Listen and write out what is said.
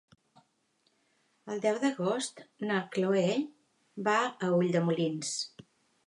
El deu d'agost na Chloé va a Ulldemolins.